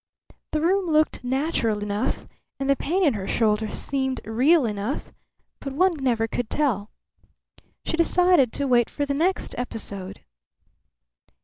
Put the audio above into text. The room looked natural enough and the pain in her shoulder seemed real enough, but one never could tell. She decided to wait for the next episode.